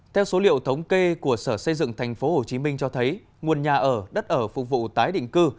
theo số liệu thống kê của sở xây dựng tp hcm cho thấy nguồn nhà ở đất ở phục vụ tái định cư